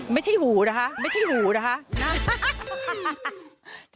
ไม่ใช่หูนะคะไม่ใช่หูนะคะ